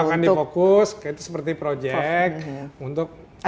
jadi mereka akan di fokus itu seperti project untuk melakukan